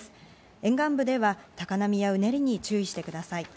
沿岸部では高波やうねりに注意してください。